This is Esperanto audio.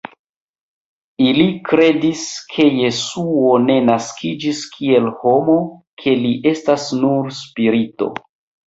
Ili kredis, ke Jesuo ne naskiĝis kiel homo, ke li estas nur spirito.